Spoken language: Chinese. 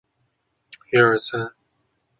陈曾栻早年毕业于日本明治大学。